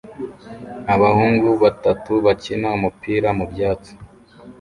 abahungu batatu bakina umupira mubyatsi